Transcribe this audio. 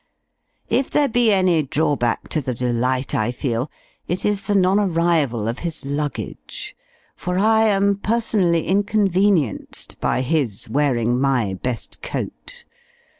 If there be any drawback to the delight I feel, it is the non arrival of his luggage; for I am personally inconvenienced by his wearing my best coat.